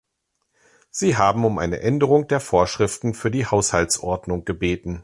Sie haben um eine Änderung der Vorschriften für die Haushaltsordnung gebeten.